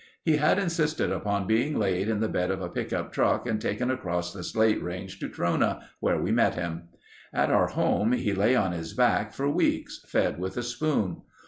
He had insisted upon being laid in the bed of a pickup truck and taken across the Slate Range to Trona, where we met him. At our home he lay on his back for weeks, fed with a spoon.